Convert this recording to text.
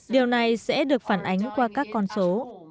điều này sẽ được phản ánh qua các con số